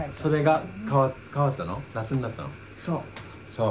そう。